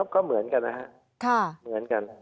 ก็เหมือนกันนะครับ